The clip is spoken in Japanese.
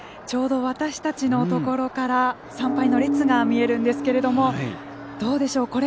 ちょうど私たちのところから参拝の列が見えるんですけれどもどうでしょう。